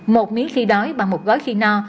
một miếng khi đói bằng một gói khi no